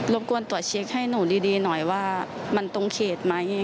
กวนตรวจเช็คให้หนูดีหน่อยว่ามันตรงเขตไหม